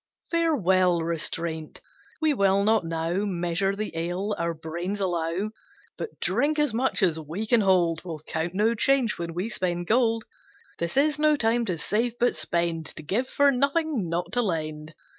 Farewell restraint: we will not now Measure the ale our brains allow, But drink as much as we can hold. We'll count no change when we spend gold; This is no time to save, but spend, To give for nothing, not to lend.